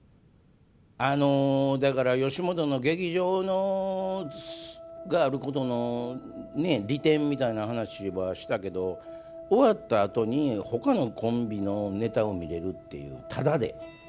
あのだから吉本の劇場があることの利点みたいな話はしたけど終わったあとにほかのコンビのネタを見れるっていうタダで。